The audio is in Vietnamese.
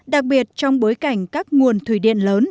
đặc biệt trong bối cảnh các nguồn thủy điện lớn